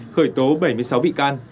khởi tố bảy mươi sáu bị can